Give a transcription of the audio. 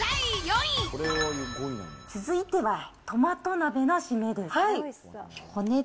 続いては、トマト鍋のシメです。